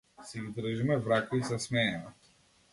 Си ги држиме в рака и се смееме.